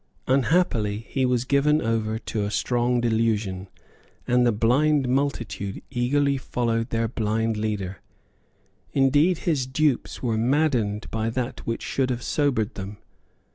Unhappily he was given over to a strong delusion, and the blind multitude eagerly followed their blind leader. Indeed his dupes were maddened by that which should have sobered them.